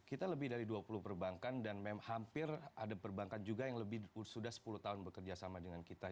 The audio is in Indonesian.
kita lebih dari dua puluh perbankan dan memang hampir ada perbankan juga yang lebih sudah sepuluh tahun bekerja sama dengan kita